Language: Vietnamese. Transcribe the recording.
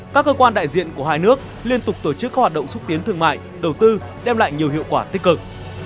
các cơ quan đại diện của hai nước liên tục tổ chức các hoạt động xúc tiến thương mại đầu tư đem lại nhiều hiệu quả tích cực